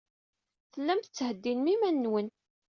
Tellam tettheddinem iman-nwen.